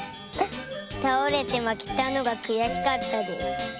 たおれてまけたのがくやしかったです。